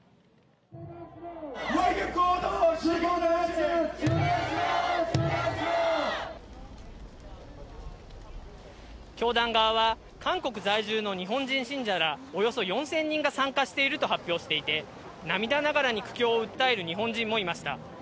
わい曲報道、教団側は、韓国在住の日本人信者らおよそ４０００人が参加していると発表していて、涙ながらに苦境を訴える日本人もいました。